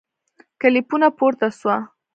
کلیپونه پورته سوه